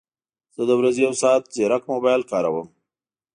زه د ورځې یو ساعت ځیرک موبایل کاروم